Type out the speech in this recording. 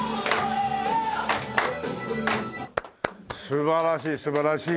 素晴らしい素晴らしい。